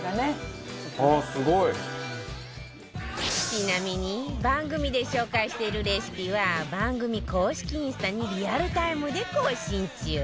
ちなみに番組で紹介しているレシピは番組公式インスタにリアルタイムで更新中